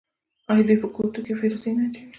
آیا دوی په ګوتو کې فیروزه نه اچوي؟